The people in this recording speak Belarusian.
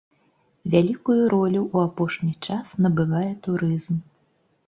Вялікую ролю ў апошні час набывае турызм.